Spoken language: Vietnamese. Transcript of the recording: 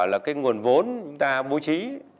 là cái nguồn vốn ta bố trí